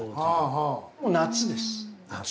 もう夏です。